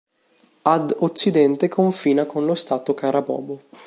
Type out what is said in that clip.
Ad occidente confina con lo Stato Carabobo.